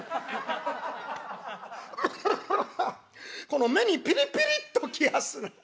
「この目にピリピリッと来やす。